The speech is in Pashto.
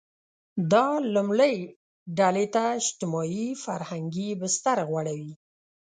دا لومړۍ ډلې ته اجتماعي – فرهنګي بستر غوړوي.